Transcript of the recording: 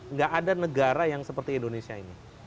nggak ada negara yang seperti indonesia ini